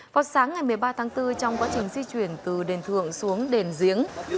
vào sáng ngày một mươi ba tháng bốn trong quá trình di chuyển từ đền thường xuống đền diếng